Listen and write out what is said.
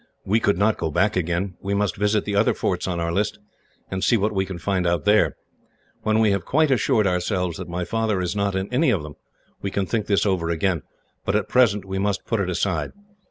"We could not go back again. We must visit the other forts on our list, and see what we can find out there. When we have quite assured ourselves that my father is not in any of them, we can think this over again; but at present we must put it aside.